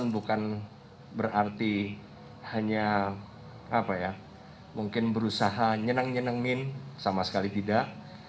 bukan berarti hanya apa ya mungkin berusaha nyeneng nyenengin sama sekali tidak